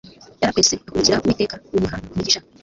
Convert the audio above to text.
Yarakwese akurikira Uwiteka amuha umugisha